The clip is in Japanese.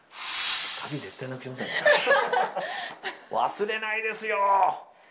忘れないですよ。